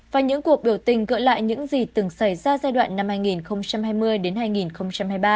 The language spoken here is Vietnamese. và những cuộc biểu tình gợi lại những gì từng xảy ra giai đoạn năm hai nghìn hai mươi đến hai nghìn hai mươi ba